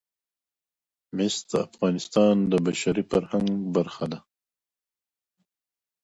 مس د افغانستان د بشري فرهنګ برخه ده.